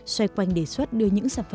xoay quanh đề xuất đưa những sản phẩm sân khấu